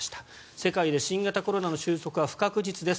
世界で新型コロナの収束は不確実です。